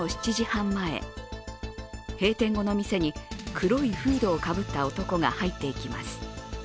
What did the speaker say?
黒いフードをかぶった男が入っていきます。